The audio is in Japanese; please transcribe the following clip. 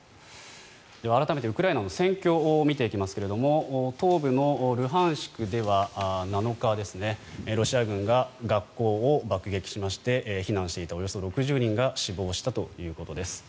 では、改めてウクライナの戦況を見ていきますが東部のルハンシクでは７日ロシア軍が学校を爆撃しまして避難していたおよそ６０人が死亡したということです。